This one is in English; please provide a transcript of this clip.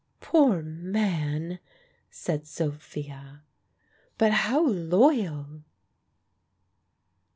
"Poor man!" said Sophia. "But how loyal!"